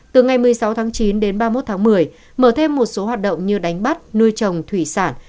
từ ngày một mươi sáu tháng chín đến ba mươi một tháng một mươi mở thêm một số hoạt động như đánh bắt nuôi trồng thủy sản